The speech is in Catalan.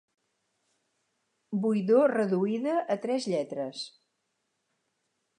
Buidor reduïda a tres lletres.